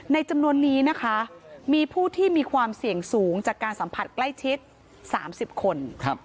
จำนวนนี้นะคะมีผู้ที่มีความเสี่ยงสูงจากการสัมผัสใกล้ชิด๓๐คน